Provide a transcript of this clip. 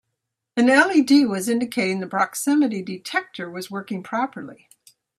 An LED was indicating the proximity detector was working properly.